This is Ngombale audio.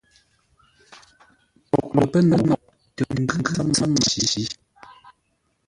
Poghʼ lə pə́ nou tə́ ngʉ́ tsə̌m məncǐ.